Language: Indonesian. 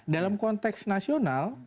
dalam konteks nasional